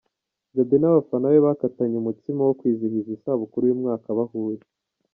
Jody n'abafana be bakatanye umutsima wo kwizihiza isabukuru y'umwaka bahuye.